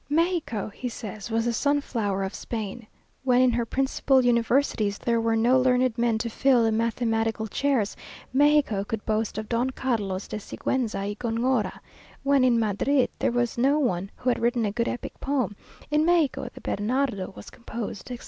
Mexico, he says, was the sunflower of Spain. When in her principal universities there were no learned men to fill the mathematical chairs, Mexico could boast of Don Carlos de Siguenza y Góngora: when in Madrid there was no one who had written a good epic poem, in Mexico the Bernardo was composed;" etc.